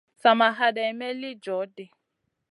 Sa ma haɗeyn may li joh ɗi.